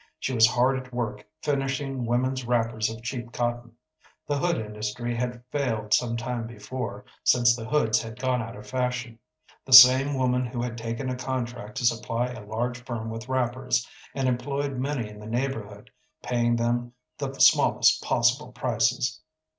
She was hard at work, finishing women's wrappers of cheap cotton. The hood industry had failed some time before, since the hoods had gone out of fashion. The same woman had taken a contract to supply a large firm with wrappers, and employed many in the neighborhood, paying them the smallest possible prices.